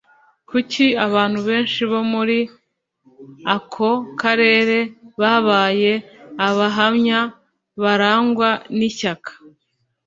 kuki abantu benshi bo muri ako karere babaye abahamya barangwa n ishyaka